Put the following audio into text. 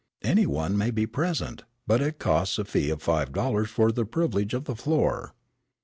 "Any one may be present, but it costs a fee of five dollars for the privilege of the floor."